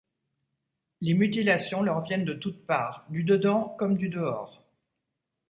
Les mutilations leur viennent de toutes parts, du dedans comme du dehors.